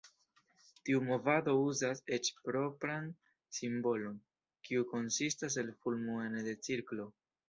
Tiu movado uzas eĉ propran simbolon, kiu konsistas el fulmo ene de cirklo.